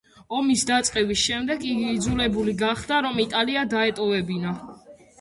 ომის დაწყების შემდეგ, იგი იძულებული გახდა, რომ იტალია დაეტოვებინა.